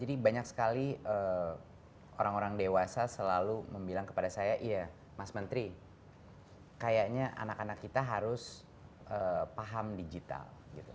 jadi banyak sekali orang orang dewasa selalu bilang kepada saya iya mas mentri kayaknya anak anak kita harus paham digital